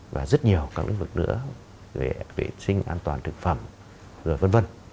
và rất nhiều các lĩnh vực nữa về vệ sinh an toàn thực phẩm rồi v v